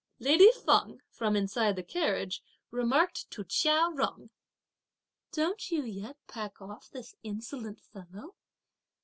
Lady Feng, from inside the carriage, remarked to Chia Jung: "Don't you yet pack off this insolent fellow!